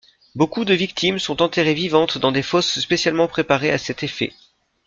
Beaucoup de victimes sont enterrées vivantes dans des fosses spécialement préparées à cet effet.